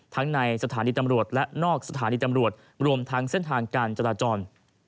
ในสถานีตำรวจและนอกสถานีตำรวจรวมทั้งเส้นทางการจราจร